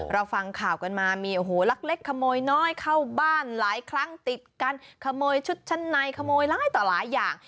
เราฟังข่าวกันมามีโอ้โหลักเล็กขโมยน้อยเข้าบ้านหลายครั้งติดกันขโมยชุดชั้นในขโมยหลายต่อหลายอย่าง